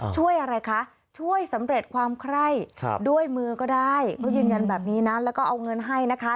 ช่วยอะไรคะช่วยสำเร็จความไคร้ด้วยมือก็ได้เขายืนยันแบบนี้นะแล้วก็เอาเงินให้นะคะ